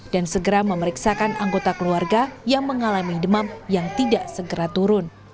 dan segera memeriksakan anggota keluarga yang mengalami demam yang tidak segera turun